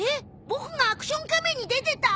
ボクが『アクション仮面』に出てた？